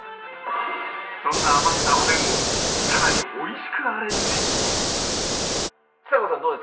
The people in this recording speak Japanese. そんな余ったおでんをさらに美味しくアレンジちさ子さん